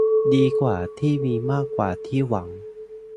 ดีกว่าที่มีมากกว่าที่หวัง